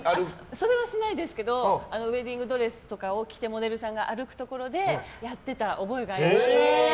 それはしないですけどウェディングドレスとかを着てモデルさんが歩くところでやってた覚えがあります。